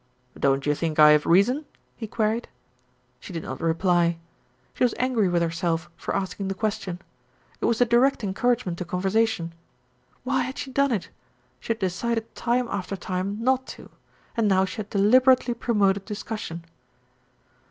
"Don't you think I have reason?" he queried. She did not reply. She was angry with herself for asking the question. It was a direct encouragement to conversation. Why had she done it? She had de cided time after time not to and now she had de liberately promoted discussion.